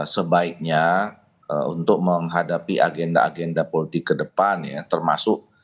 sebaiknya untuk menghadapi agenda agenda politik ke depan ya termasuk